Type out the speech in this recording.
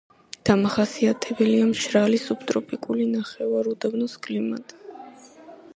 დამახასიათებელია მშრალი, სუბტროპიკული ნახევარუდაბნოს კლიმატი.